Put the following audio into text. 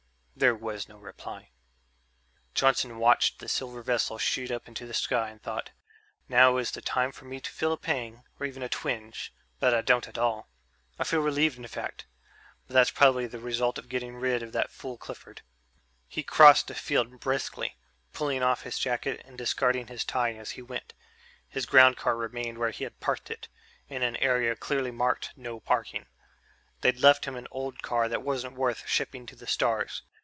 There was no reply. Johnson watched the silver vessel shoot up into the sky and thought, "Now is the time for me to feel a pang, or even a twinge, but I don't at all. I feel relieved, in fact, but that's probably the result of getting rid of that fool Clifford." He crossed the field briskly, pulling off his jacket and discarding his tie as he went. His ground car remained where he had parked it in an area clearly marked No Parking. They'd left him an old car that wasn't worth shipping to the stars.